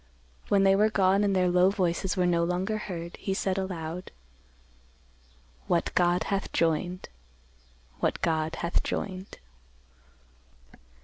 When they were gone and their low voices were no longer heard, he said aloud, "What God hath joined; what God hath joined."